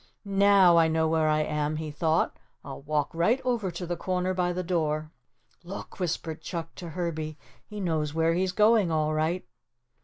"Now, I know where I am," he thought, "I'll walk right over to the corner by the door." "Look," whispered Chuck to Herbie, "he knows where he's going, all right."